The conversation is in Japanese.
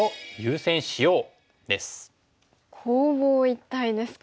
攻防一体ですか。